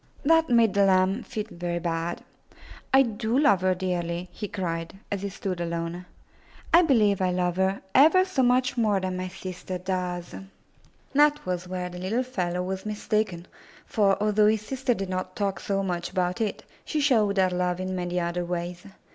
That made the lamb feel very bad. "I do love her dearly,*' he cried, as he stood alone. ^'I believe I love her ever so much more than my sister does." That was where the little fellow was mistaken, for, although his sister did not talk so much about it, she showed her love in many other ways.